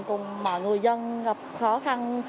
cùng mọi người dân gặp khó khăn